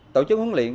tổ chức huấn luyện